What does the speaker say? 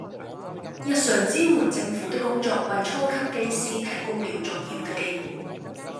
日常支援政府的工作為初級機師提供了重要的機會